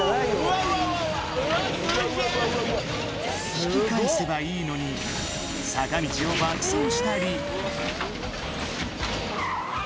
引き返せばいいのに坂道を爆走したり。